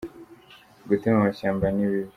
gutema amashyamba ni bibi